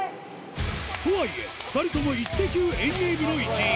とはいえ、２人ともイッテＱ遠泳部の一員。